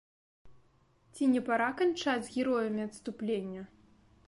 Ці не пара канчаць з героямі адступлення?